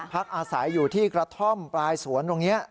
พักอาศัยอยู่ที่กระท่อมปลายสวนตรงนี้